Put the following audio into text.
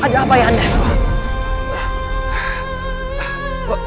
ada apa ayah anda